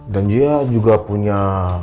dan dia juga punya